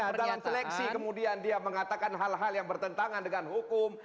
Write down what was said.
nah dalam seleksi kemudian dia mengatakan hal hal yang bertentangan dengan hukum